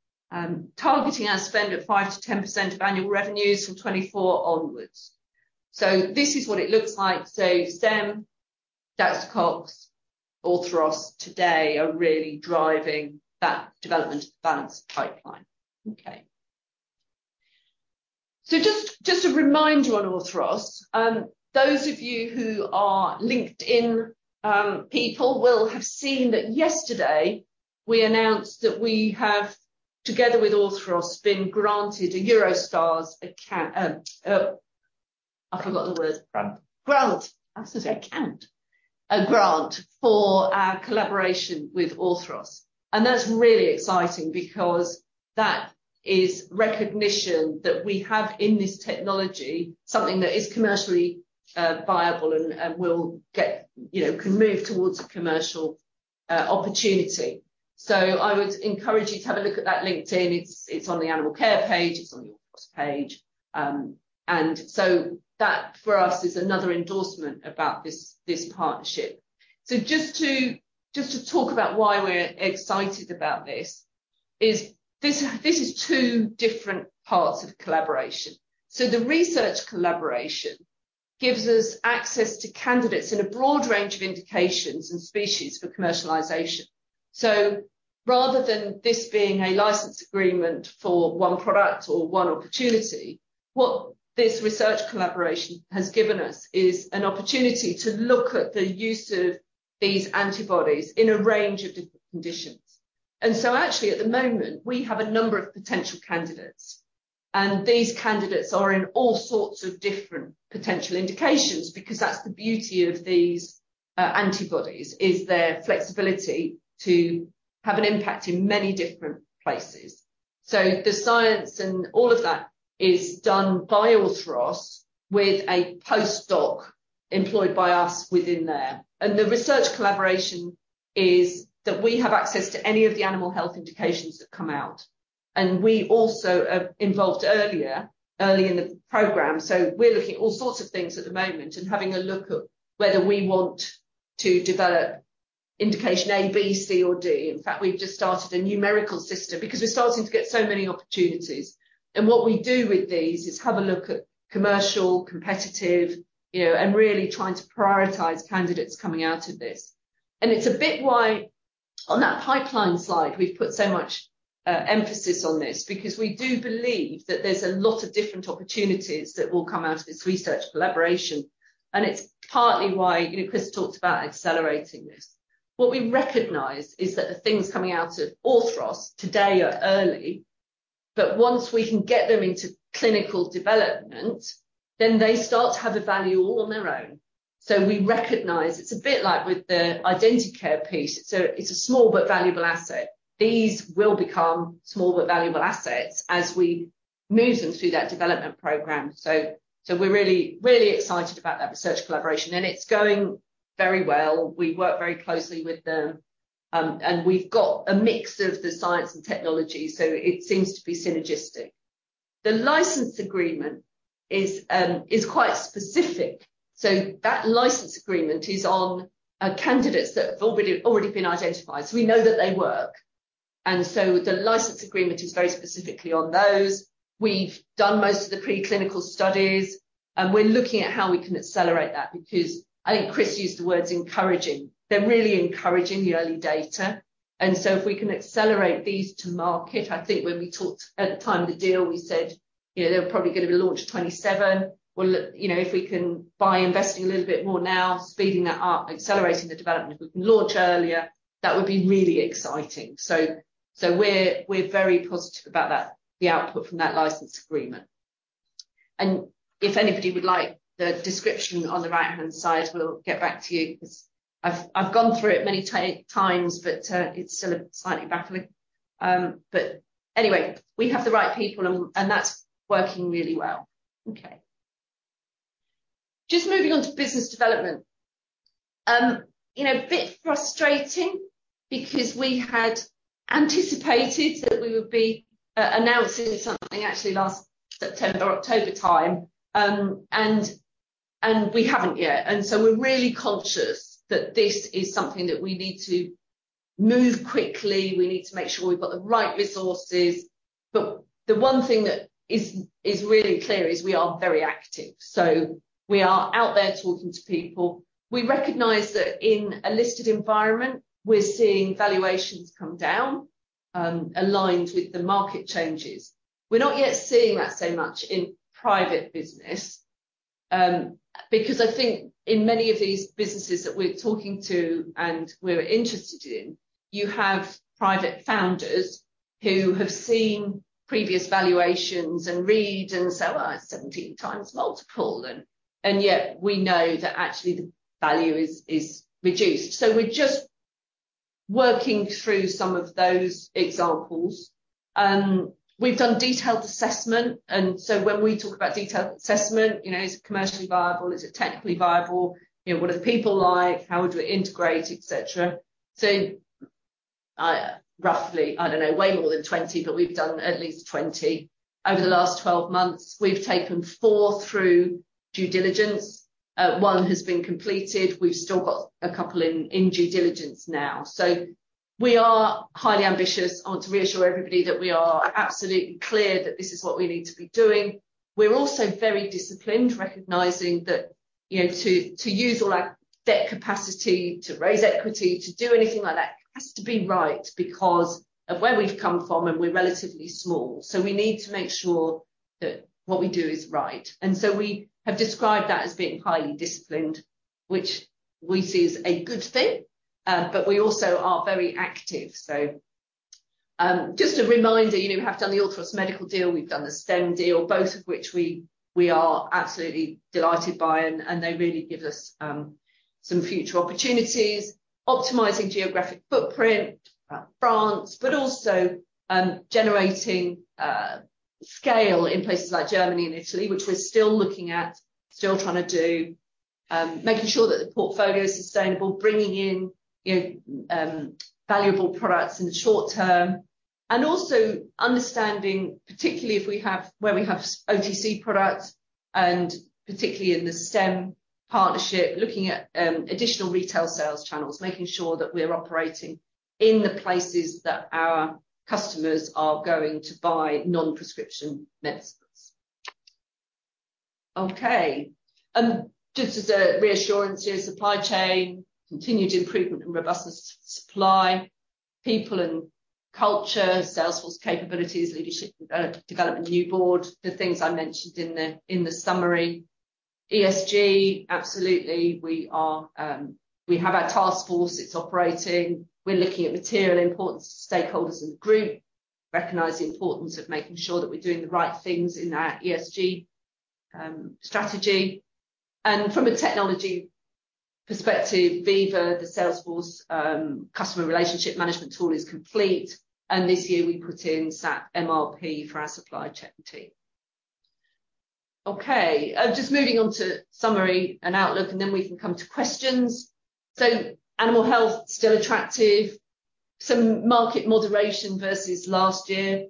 Targeting our spend at 5%-10% of annual revenues from 2024 onwards. This is what it looks like. STEM, Daxocox, Orthros today are really driving that development balance pipeline. Okay. Just to remind you on Orthros, those of you who are LinkedIn, people will have seen that yesterday we announced that we have, together with Orthros, been granted a Eurostars. I forgot the word. Grant. Grant. I said account. A grant for our collaboration with Orthros. That's really exciting because that is recognition that we have in this technology, something that is commercially viable and will get, you know, can move towards a commercial opportunity. I would encourage you to have a look at that LinkedIn. It's on the Animalcare page. It's on the Orthros page. That for us is another endorsement about this partnership. Just to talk about why we're excited about this is two different parts of collaboration. The research collaboration gives us access to candidates in a broad range of indications and species for commercialization. Rather than this being a license agreement for one product or one opportunity, what this research collaboration has given us is an opportunity to look at the use of these antibodies in a range of different conditions. Actually, at the moment, we have a number of potential candidates, and these candidates are in all sorts of different potential indications because that's the beauty of these antibodies, is their flexibility to have an impact in many different places. The science and all of that is done by Orthros with a postdoc employed by us within there. The research collaboration is that we have access to any of the animal health indications that come out, and we also are involved early in the program. We're looking at all sorts of things at the moment and having a look at whether we want to develop indication A, B, C, or D. In fact, we've just started a numerical system because we're starting to get so many opportunities, and what we do with these is have a look at commercial, competitive, you know, and really trying to prioritize candidates coming out of this. It's a bit why on that pipeline slide we've put so much emphasis on this because we do believe that there's a lot of different opportunities that will come out of this research collaboration, and it's partly why, you know, Chris talked about accelerating this. What we recognize is that the things coming out of Orthros today are early, but once we can get them into clinical development, then they start to have a value all on their own. We recognize it's a bit like with the Identicare piece, so it's a small but valuable asset. These will become small but valuable assets as we move them through that development program. We're really excited about that research collaboration, and it's going very well. We work very closely with them. We've got a mix of the science and technology, so it seems to be synergistic. The license agreement is quite specific. That license agreement is on candidates that have already been identified, so we know that they work. The license agreement is very specifically on those. We've done most of the preclinical studies, and we're looking at how we can accelerate that because I think Chris used the words encouraging. They're really encouraging, the early data. If we can accelerate these to market, I think when we talked at the time of the deal, we said, you know, they're probably gonna be launch 2027. We'll look, you know, if we can by investing a little bit more now, speeding that up, accelerating the development, if we can launch earlier, that would be really exciting. We're very positive about that, the output from that license agreement. If anybody would like the description on the right-hand side, we'll get back to you 'cause I've gone through it many times, but it's still slightly baffling. Anyway, we have the right people and that's working really well. Okay. Just moving on to business development. You know, a bit frustrating because we had anticipated that we would be announcing something actually last September, October time. We haven't yet. We're really conscious that this is something that we need to move quickly. We need to make sure we've got the right resources. The one thing that is really clear is we are very active. We are out there talking to people. We recognize that in a listed environment, we're seeing valuations come down aligned with the market changes. We're not yet seeing that so much in private business, because I think in many of these businesses that we're talking to and we're interested in, you have private founders who have seen previous valuations and read and so on, 17 times multiple, and yet we know that actually the value is reduced. We're just working through some of those examples. We've done detailed assessment. When we talk about detailed assessment, you know, is it commercially viable, is it technically viable? You know, what are the people like? How would we integrate, et cetera? I roughly, I don't know, way more than 20, but we've done at least 20. Over the last 12 months we've taken four through due diligence. One has been completed. We've still got a couple in due diligence now. We are highly ambitious. I want to reassure everybody that we are absolutely clear that this is what we need to be doing. We're also very disciplined, recognizing that, you know, to use all our debt capacity to raise equity, to do anything like that has to be right because of where we've come from, and we're relatively small. We need to make sure that what we do is right. We have described that as being highly disciplined, which we see as a good thing. We also are very active. Just a reminder, you know, we have done the Orthros Medical deal, we've done the Stem deal, both of which we are absolutely delighted by, and they really give us some future opportunities. Optimizing geographic footprint, France, also generating scale in places like Germany and Italy, which we're still looking at, still trying to do. Making sure that the portfolio is sustainable, bringing in, you know, valuable products in the short term. Also understanding, particularly where we have OTC products, and particularly in the Stem partnership, looking at additional retail sales channels, making sure that we're operating in the places that our customers are going to buy non-prescription medicines. Okay. Just as a reassurance here, supply chain, continued improvement and robustness of supply, people and culture, Salesforce capabilities, leadership development, new board, the things I mentioned in the summary. ESG, absolutely we are, we have our task force. It's operating. We're looking at material importance to stakeholders and group, recognize the importance of making sure that we're doing the right things in our ESG strategy. From a technology perspective, Veeva, the Salesforce customer relationship management tool is complete, and this year we put in SAP MRP for our supply chain team. Okay. Just moving on to summary and outlook, then we can come to questions. Animal Health, still attractive. Some market moderation versus last year,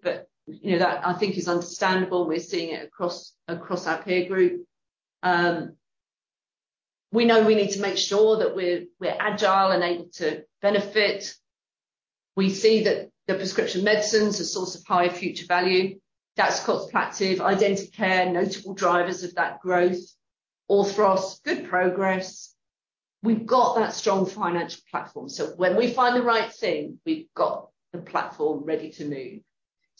you know, that I think is understandable. We're seeing it across our peer group. We know we need to make sure that we're agile and able to benefit. We see that the prescription medicines are source of high future value. Daxocox, Plaqtiv+, Identicare, notable drivers of that growth. Orthros, good progress. We've got that strong financial platform, when we find the right thing, we've got the platform ready to move.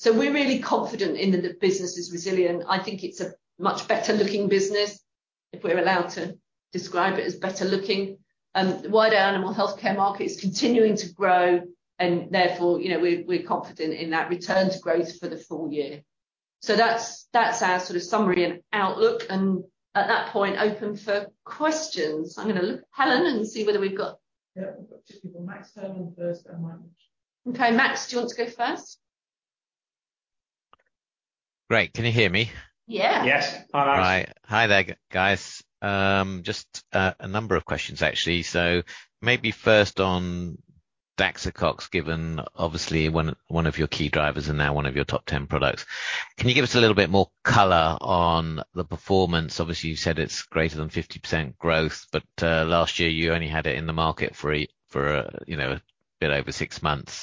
We're really confident in that the business is resilient. I think it's a much better-looking business, if we're allowed to describe it as better looking. The wider animal healthcare market is continuing to grow and therefore, you know, we're confident in that return to growth for the full year. That's our sort of summary and outlook, and at that point, open for questions. I'm gonna look at Helen and see whether we've got. Yeah. We've got two people. Max Herrmann first and then Mike Lynch. Okay, Max, do you want to go first? Great. Can you hear me? Yeah. Yes. Hi, Max. Hi. Hi there guys. Just a number of questions, actually. Maybe first on Daxocox, given obviously one of your key drivers and now one of your top ten products. Can you give us a little bit more color on the performance? Obviously, you said it's greater than 50% growth, last year you only had it in the market for, you know, a bit over 6 months.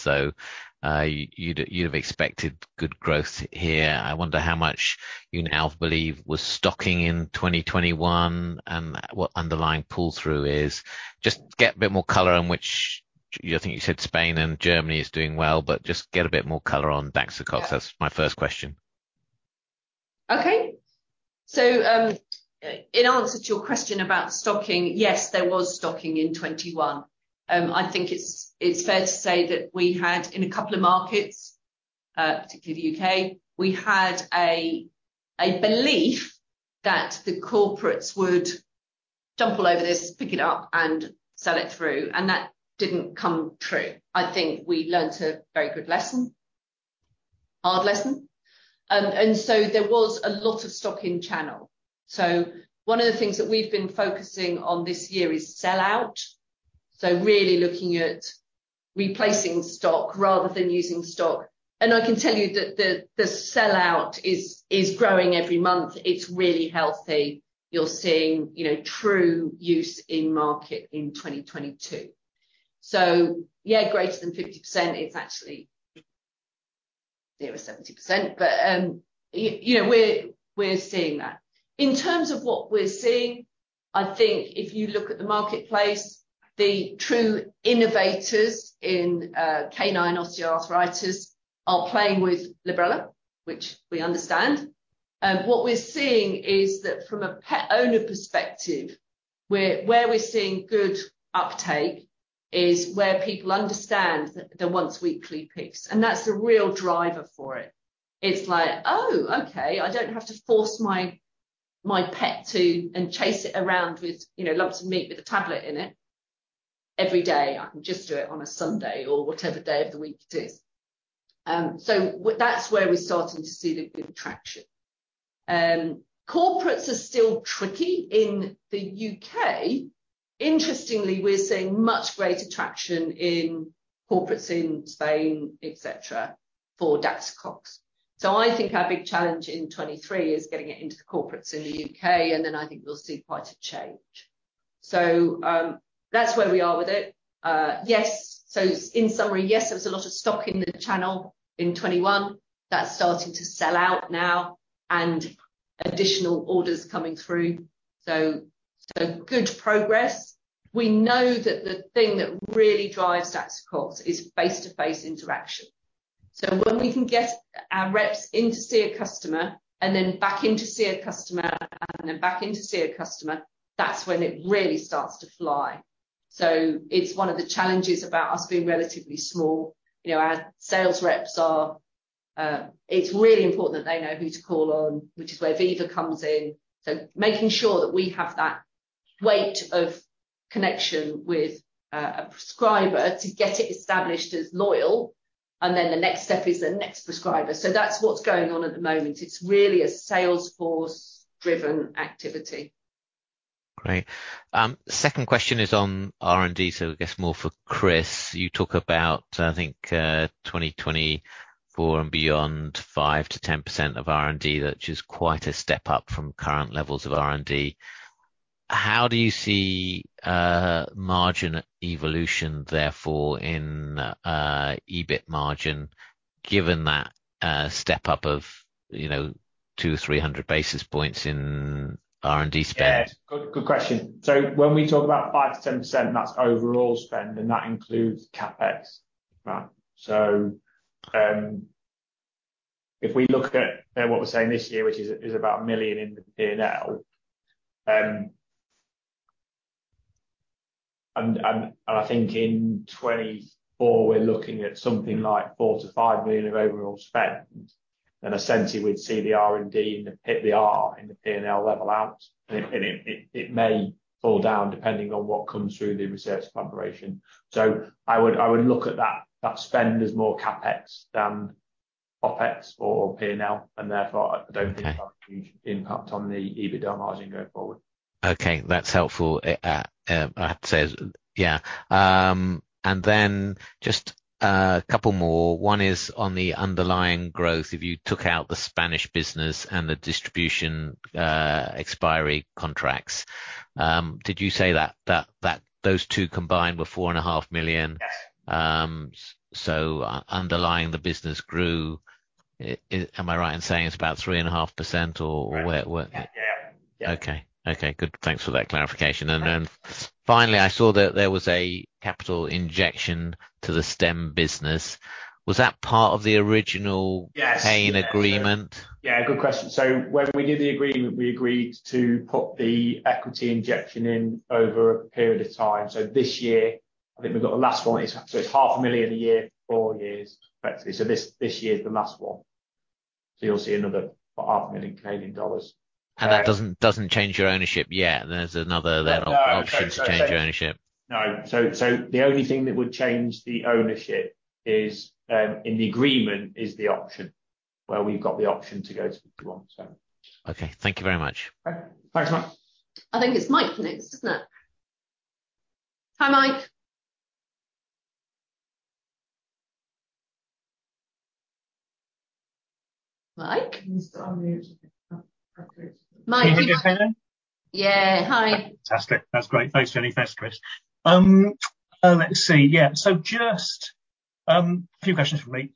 You'd have expected good growth here. I wonder how much you now believe was stocking in 2021, and what underlying pull-through is. Just get a bit more color on which I think you said Spain and Germany is doing well, but just get a bit more color on Daxocox. Yeah. That's my first question. Okay. In answer to your question about stocking, yes, there was stocking in 21. I think it's fair to say that we had, in a couple of markets, particularly the U.K., we had a belief that the corporates would jump all over this, pick it up and sell it through, and that didn't come true. I think we learnt a very good lesson, hard lesson. There was a lot of stock in channel. One of the things that we've been focusing on this year is sell out, really looking at replacing stock rather than using stock. I can tell you that the sellout is growing every month. It's really healthy. You're seeing, you know, true use in market in 2022. Yeah, greater than 50%, it's actually there was 70%, but, you know, we're seeing that. In terms of what we're seeing, I think if you look at the marketplace, the true innovators in canine osteoarthritis are playing with Librela, which we understand. What we're seeing is that from a pet owner perspective, where we're seeing good uptake is where people understand the once weekly pills, and that's the real driver for it. It's like, "Oh, okay, I don't have to force my pet to and chase it around with, you know, lumps of meat with a tablet in it every day. I can just do it on a Sunday or whatever day of the week it is." That's where we're starting to see the traction. Corporates are still tricky in the U.K. Interestingly, we're seeing much greater traction incorporates in Spain, et cetera, for Daxocox. I think our big challenge in 2023 is getting it into the corporates in the U.K., and then I think we'll see quite a change. That's where we are with it. Yes. In summary, yes, there was a lot of stock in the channel in 21. That's starting to sell out now and additional orders coming through. Good progress. We know that the thing that really drives Daxocox is face-to-face interaction. When we can get our reps in to see a customer and then back in to see a customer and then back in to see a customer, that's when it really starts to fly. It's one of the challenges about us being relatively small. You know, it's really important that they know who to call on, which is where Veeva comes in. Making sure that we have that weight of connection with a prescriber to get it established as loyal, and then the next step is the next prescriber. That's what's going on at the moment. It's really a sales force driven activity. Great. Second question is on R&D, so I guess more for Chris. You talk about, I think, 2024 and beyond, 5%-10% of R&D, which is quite a step up from current levels of R&D. How do you see margin evolution therefore in EBIT margin, given that step up of, you know, 200-300 basis points in R&D spend? Yeah. Good, good question. When we talk about 5%-10%, that's overall spend, and that includes CapEx. Right? If we look at, you know, what we're saying this year, which is about 1 million in P&L, and I think in 2024, we're looking at something like 4 million-5 million of overall spend. Essentially we'd see the R&D and the R in the P&L level out. It may fall down depending on what comes through the research collaboration. I would look at that spend as more CapEx than OpEx or P&L, and therefore- Okay. I don't think there'll be a huge impact on the EBITDA margin going forward. Okay. That's helpful. I have to say. Yeah. Just a couple more. One is on the underlying growth. If you took out the Spanish business and the distribution expiry contracts, did you say that those two combined were four and a half million? Yes. Underlying the business grew. Am I right in saying it's about 3.5%? Right. Where, where- Yeah. Yeah. Okay. Okay. Good. Thanks for that clarification. No problem. Finally, I saw that there was a capital injection to the Stem business. Was that part of the original pay in agreement? Yeah, good question. When we did the agreement, we agreed to put the equity injection in over a period of time. This year, I think we've got the last one. It's half a million a year for four years, effectively. This year is the last one. You'll see another 500,000 Canadian dollars. That doesn't change your ownership yet. There's another then option. No. To change your ownership. No. The only thing that would change the ownership is in the agreement is the option, where we've got the option to go to 51, so. Okay. Thank you very much. Okay. Thanks, Mark. I think it's Mike next, isn't it? Hi, Mike. Mike? He's still on mute. Mike, are you. Can you hear me? Yeah. Hi. Fantastic. That's great. Thanks, Jenny. Thanks, Chris. let's see. A few questions from me.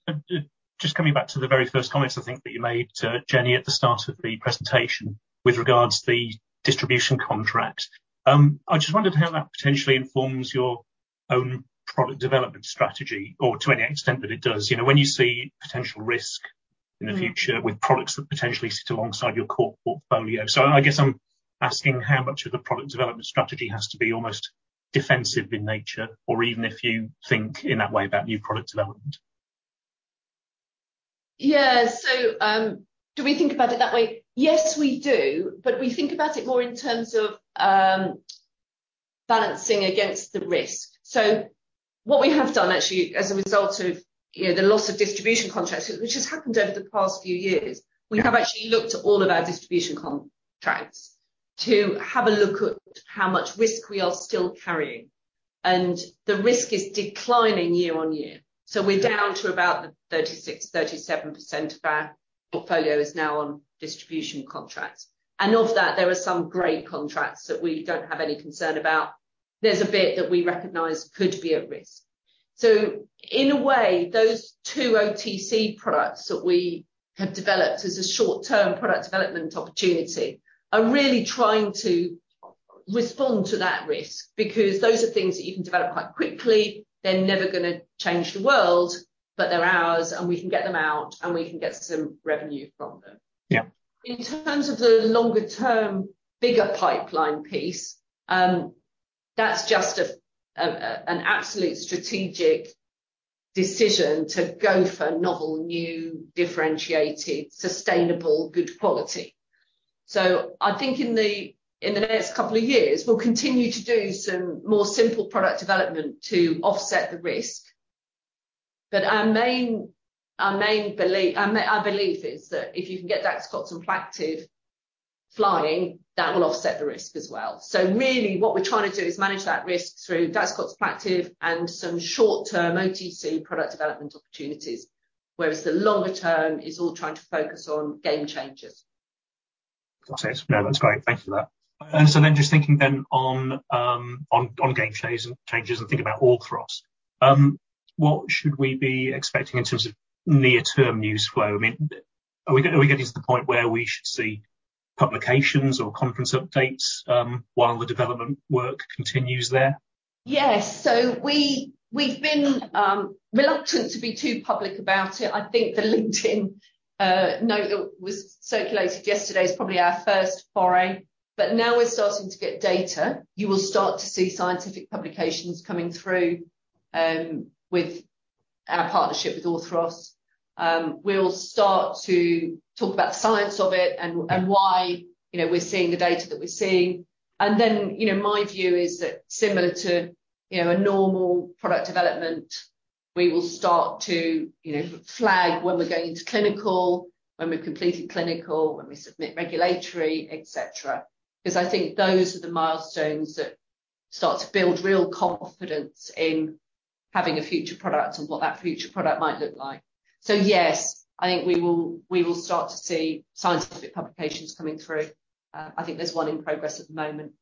Just coming back to the very first comments I think that you made, Jenny, at the start of the presentation with regards the distribution contract. I just wondered how that potentially informs your own product development strategy or to any extent that it does. You know, when you see potential risk in the future with products that potentially sit alongside your core portfolio. I guess I'm asking how much of the product development strategy has to be almost defensive in nature or even if you think in that way about new product development? Yeah. Do we think about it that way? Yes, we do. We think about it more in terms of balancing against the risk. What we have done actually as a result of, you know, the loss of distribution contracts, which has happened over the past few years. Yeah. We have actually looked at all of our distribution contracts to have a look at how much risk we are still carrying. The risk is declining year-on-year. Okay. We're down to about the 36%-37% of our portfolio is now on distribution contracts. Of that, there are some great contracts that we don't have any concern about. There's a bit that we recognize could be at risk. In a way, those two OTC products that we have developed as a short-term product development opportunity are really trying to respond to that risk, because those are things that you can develop quite quickly. They're never gonna change the world, but they're ours, and we can get them out, and we can get some revenue from them. Yeah. In terms of the longer-term, bigger pipeline piece, that's just an absolute strategic decision to go for novel, new, differentiated, sustainable, good quality. I think in the next couple of years, we'll continue to do some more simple product development to offset the risk. Our belief is that if you can get Daxocox and Plaqtiv+ flying, that will offset the risk as well. Really what we're trying to do is manage that risk through Daxocox and Plaqtiv+ and some short-term OTC product development opportunities, whereas the longer term is all trying to focus on game changers. Got it. No, that's great. Thank you for that. Just thinking then on game changes and thinking about Orthros, what should we be expecting in terms of near-term news flow? I mean, are we getting to the point where we should see publications or conference updates while the development work continues there? Yes. We've been reluctant to be too public about it. I think the LinkedIn note that was circulated yesterday is probably our first foray. Now we're starting to get data. You will start to see scientific publications coming through with our partnership with Orthros. We'll start to talk about the science of it. Yeah. Why, you know, we're seeing the data that we're seeing. Then, you know, my view is that similar to, you know, a normal product development, we will start to, you know, flag when we're going into clinical, when we've completed clinical, when we submit regulatory, et cetera, because I think those are the milestones that start to build real confidence in having a future product and what that future product might look like. Yes, I think we will start to see scientific publications coming through. I think there's one in progress at the moment.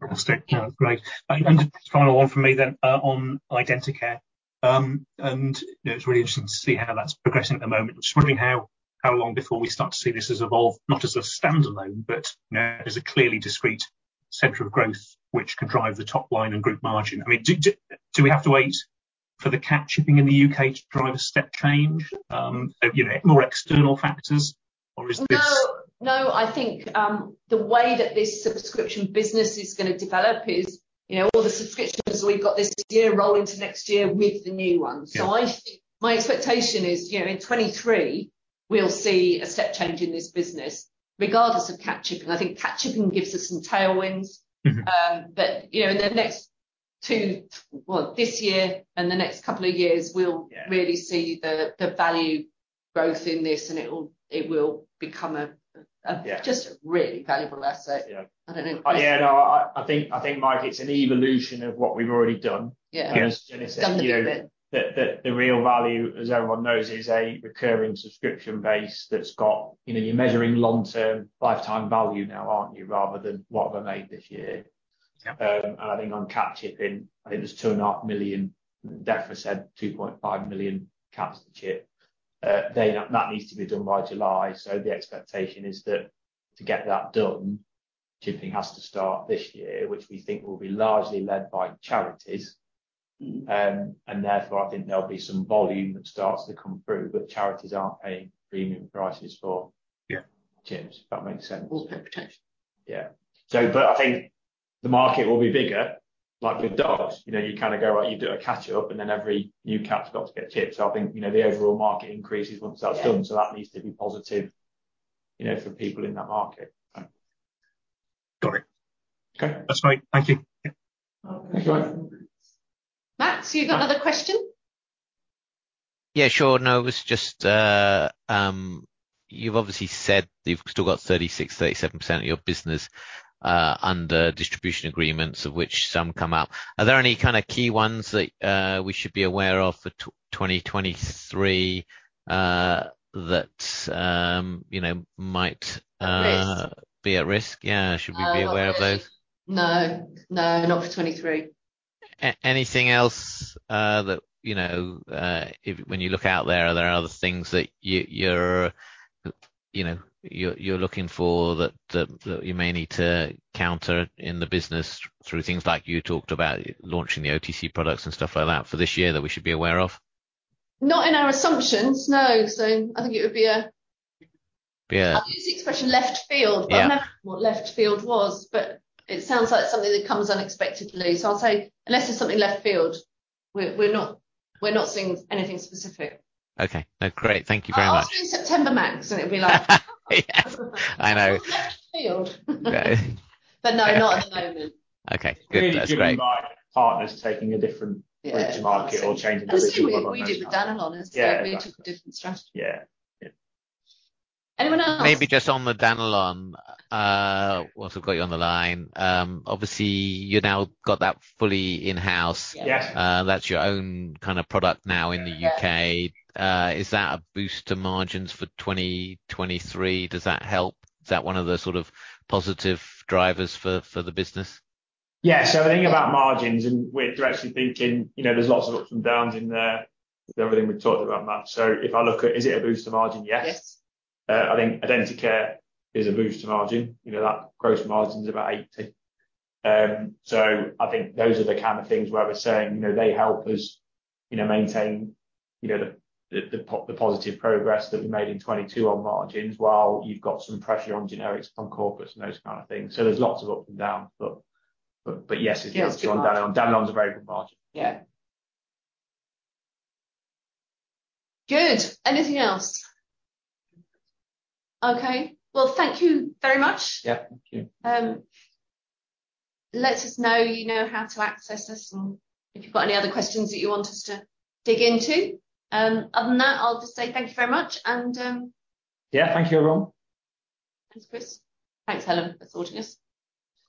Fantastic. No, great. Just final one from me then, on Identicare. You know, it's really interesting to see how that's progressing at the moment. Just wondering how long before we start to see this as evolved, not as a standalone? Yeah. as a clearly discrete center of growth which could drive the top line and group margin. I mean, do we have to wait for the cat chipping in the U.K. to drive a step change, you know, more external factors? Or is this- No, no. I think the way that this subscription business is gonna develop is, you know, all the subscriptions we've got this year roll into next year with the new one. Yeah. My expectation is, you know, in 2023 we'll see a step change in this business regardless of cat chipping. I think cat chipping gives us some tailwinds. You know, this year and the next couple of years will really see the value growth in this, and it will become a just a really valuable asset. Yeah. I don't know. Yeah, no. I think, Mike, it's an evolution of what we've already done. Yeah. As Jenny said. Done a bit. that the real value, as everyone knows, is a recurring subscription base that's go. You know, you're measuring long-term lifetime value now, aren't you? Rather than what have I made this year. Yeah. I think on cat chipping, I think there's 2.5 million. Defra said 2.5 million cats to chip. That needs to be done by July, the expectation is that to get that done, chipping has to start this year, which we think will be largely led by charities. Therefore, I think there'll be some volume that starts to come through, but charities aren't paying premium prices. Yeah. Chips, if that makes sense. We'll pay potentially. Yeah. I think the market will be bigger. Like with dogs, you know, you kind of go out, you do a catch-up, and then every new cat has got to get chipped. I think, you know, the overall market increases once that's done. Yeah. That needs to be positive, you know, for people in that market. Right. Got it. Okay. That's fine. Thank you. Yeah. Okay. Thanks, guys. Max, you've got another question? Yeah, sure. It was just, you've obviously said you've still got 36%, 37% of your business under distribution agreements of which some come out. Are there any kind of key ones that we should be aware of for 2023, that, you know, might? Risk? -be at risk? Yeah. Should we be aware of those? No, not for 2023. Anything else, that, you know, when you look out there, are there other things that you're, you know, you're looking for that you may need to counter in the business through things like you talked about launching the OTC products and stuff like that for this year that we should be aware of? Not in our assumptions, no. I think it would be. Yeah. I use the expression left field. Yeah. I don't know what left field was, but it sounds like something that comes unexpectedly. I'll say unless there's something left field, we're not seeing anything specific. Okay. No, great. Thank you very much. I'll ask you in September, Max, so it'll be like. Yeah, I know. From left field. Yeah. No, not at the moment. Okay, good. That's great. Really driven by partners taking a different- Yeah. approach to market or changing everything. That's true. We did with Danilon. Yeah, exactly. Is they took a different strategy. Yeah. Yeah. Anyone else? Maybe just on the Danilon, whilst I've got you on the line. Obviously, you've now got that fully in-house. Yes. Yes. That's your own kind of product now in the U.K. Yeah. Is that a boost to margins for 2023? Does that help? Is that one of the sort of positive drivers for the business? Yeah. The thing about margins, and we're directly thinking, you know, there's lots of ups and downs in there with everything we've talked about, Max. If I look at is it a boost to margin? Yes. Yes. I think Identicare is a boost to margin. You know, that gross margin is about 80%. I think those are the kind of things where we're saying, you know, they help us, you know, maintain, you know, the positive progress that we made in 2022 on margins, while you've got some pressure on generics, on Corpus and those kind of things. There's lots of up and down. Yes. Yes, good margin. It helps on Danilon. Danilon is a very good margin. Yeah. Good. Anything else? Okay. Well, thank you very much. Yeah. Thank you. Let us know. You know how to access us, and if you've got any other questions that you want us to dig into. Other than that, I'll just say thank you very much. Yeah. Thank you everyone. Thanks, Chris. Thanks, Helen, for sorting us.